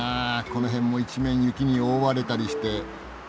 この辺も一面雪に覆われたりして。